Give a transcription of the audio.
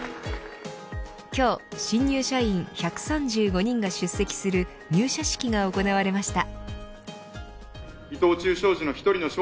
今日新入社員１３５人が出席する入社式が行われました。